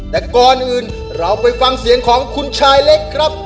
แต่ก่อนอื่นเราไปฟังเสียงของคุณชายเล็กครับ